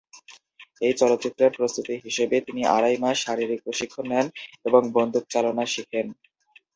এই চলচ্চিত্রের প্রস্তুতি হিসেবে তিনি আড়াই মাস শারীরিক প্রশিক্ষণ নেন এবং বন্দুক চালনা শিখেন।